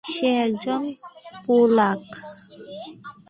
সে একজন পোলাক।